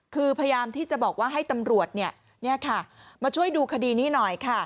คือพยายามที่จะบอกว่าให้ตำรวจมาช่วยดูคดีนี้หน่อยค่ะ